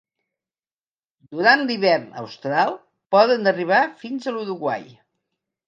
Durant l'hivern austral poden arribar fins a l'Uruguai.